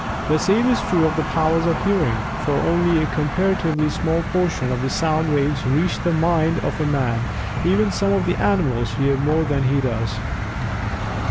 The same is true of the powers of hearing, for only a comparatively small portion of the sound waves reach the Mind of Man even some of the animals hear more than he does.